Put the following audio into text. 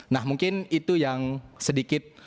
nah mungkin itu yang sedikit